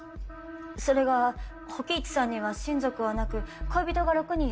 それが火鬼壱さんには親族はなく恋人が６人いるだけで。